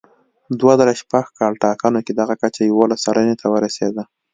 دوه زره شپږ کال ټاکنو کې دغه کچه یوولس سلنې ته ورسېده.